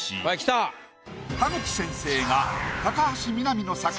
田口先生が。